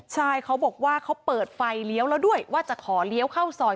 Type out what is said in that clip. ใช่เขาบอกว่าเขาเปิดไฟเลี้ยวแล้วด้วยว่าจะขอเลี้ยวเข้าซอย